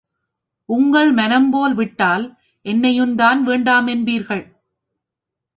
உங்கள் மனம் போல் விட்டால் என்னையுந்தான் வேண்டாமென்பீர்கள்.